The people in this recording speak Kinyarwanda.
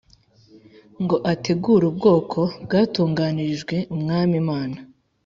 , ngo ategure ubwoko bwatunganirijwe Umwami Imana.